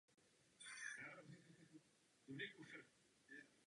Tam žili až do své smrti.